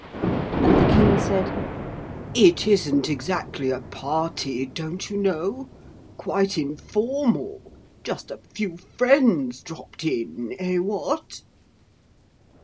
And the King said, 'It isn't exactly a party, don't you know. Quite informal. Just a few friends dropped in, eh, what?'